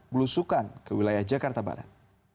belusukan ke wilayah jakarta barat